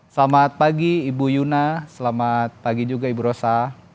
selamat pagi ibu yuna selamat pagi juga ibu rosa